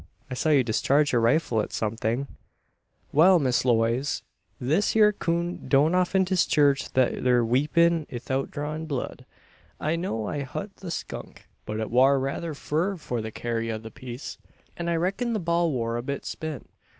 I saw you discharge your rifle at something." "Wal, Miss Lewaze; this hyur coon don't often dischurge thet thur weepun 'ithout drawin' blood. I know'd I hut the skunk; but it war rayther fur for the carry o' the piece, an I reckon'd the ball war a bit spent.